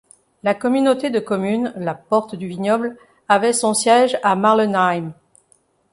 La communauté de communes la Porte du Vignoble avait son siège à Marlenheim.